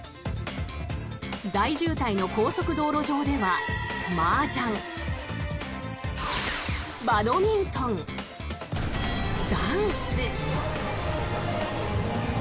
大渋滞の高速道路上ではマージャン、バドミントンダンス。